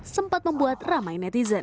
sempat membuat ramai netizen